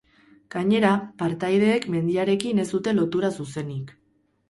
Gainera, partaideek mendiarekin ez dute lotura zuzenik.